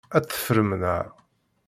Ad tt-teffrem, naɣ?